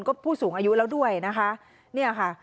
ก็ผู้สูงอายุแล้วด้วยนะคะ